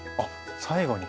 最後に。